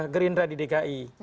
gerindra di dki